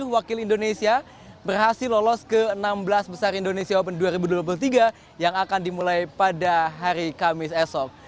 dua puluh wakil indonesia berhasil lolos ke enam belas besar indonesia open dua ribu dua puluh tiga yang akan dimulai pada hari kamis esok